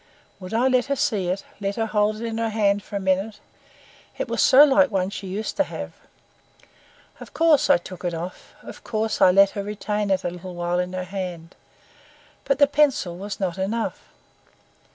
Would I let her see it, let her hold it in her hand for a minute? it was so like one she used to have. Of course I took it off, of course I let her retain it a little while in her hand. But the pencil was not enough.